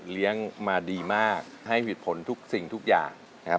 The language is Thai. เลี้ยงมาดีมากให้ผิดผลทุกสิ่งทุกอย่างนะครับ